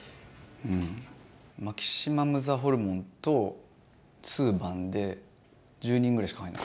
マキシマムザホルモンとツーバンで１０人ぐらいしか入んなかったよね